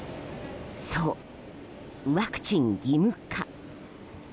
そう、ワクチン義務化。